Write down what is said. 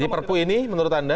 di perpu ini menurut anda